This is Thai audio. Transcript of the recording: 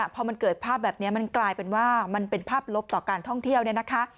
พอมันเกิดภาพแบบนี้มันกลายเป็นว่ามันเป็นภาพลบต่อการท่องเที่ยวเนี่ยนะคะ